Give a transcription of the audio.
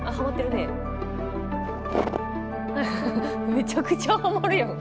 めちゃくちゃはまるやん。